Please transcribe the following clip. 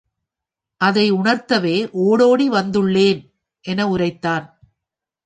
அதை உணர்த்தவே ஓடோடி வந்துள்ளேன், என உரைத்தான்.